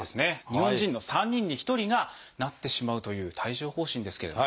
日本人の３人に１人がなってしまうという帯状疱疹ですけれども。